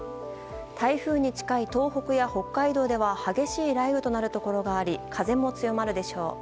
台風に近い東北や北海道では激しい雷雨となるところがあり風も強まるでしょう。